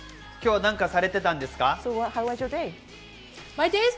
今日、何かされてたんですか？